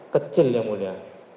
kecil yang mulia